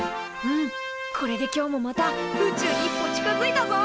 うんこれで今日もまた宇宙に一歩近づいたぞ！